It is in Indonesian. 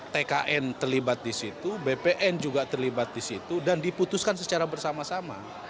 tkn terlibat di situ bpn juga terlibat di situ dan diputuskan secara bersama sama